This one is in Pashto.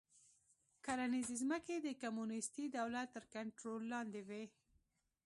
کرنیزې ځمکې د کمونېستي دولت تر کنټرول لاندې وې